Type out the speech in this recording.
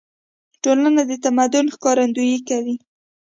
ټولنه د تمدن ښکارندويي کوي.